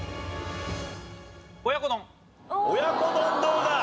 親子丼どうだ？